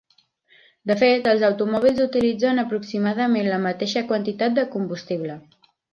De fet, els automòbils utilitzen aproximadament la mateixa quantitat de combustible.